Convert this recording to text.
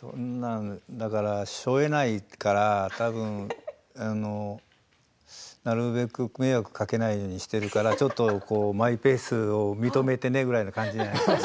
そんなしょえないからなるべく迷惑をかけないようにしているからちょっとマイペースを認めてねというぐらいの感じですよ。